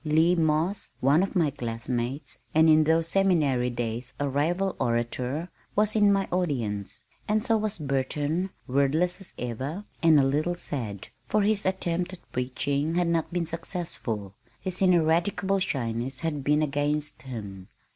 Lee Moss, one of my classmates, and in those Seminary days a rival orator, was in my audience, and so was Burton, wordless as ever, and a little sad, for his attempt at preaching had not been successful his ineradicable shyness had been against him.